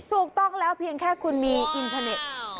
ถูกต้องแล้วเพียงแค่คุณมีอินเทอร์เน็ต